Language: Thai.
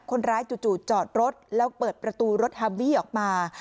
คนร้ายจู่จอดรถแล้วเปิดประตูรถฮาบี้ออกมา